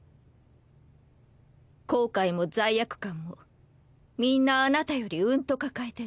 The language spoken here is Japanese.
後悔も罪悪感もみんなあなたよりうんと抱えてる。